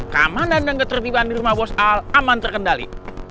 keamanan dan ketertiban di rumah bos al aman terkendali